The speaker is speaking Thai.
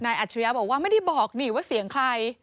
อัจฉริยะบอกว่าไม่ได้บอกนี่ว่าเสียงใคร